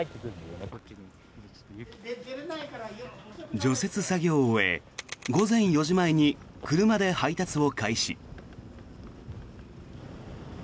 除雪作業を終え午前４時前に車で配達を開始。